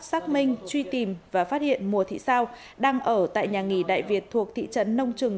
xác minh truy tìm và phát hiện mùa thị sao đang ở tại nhà nghỉ đại việt thuộc thị trấn nông trường